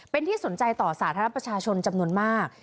เป็นที่สนใจต่อสาธารณประชาชนจำนวนมาก